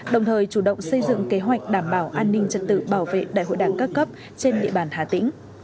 động xây dựng kế hoạch đảm bảo an ninh trật tự bảo vệ đại hội đảng ca cấp trên địa bàn hà tĩnh